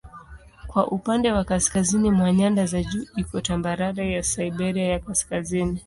Kwa upande wa kaskazini mwa nyanda za juu iko tambarare ya Siberia ya Kaskazini.